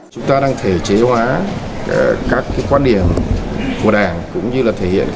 chúng ta đang thể chế hóa các quan điểm của đảng cũng như là thể hiện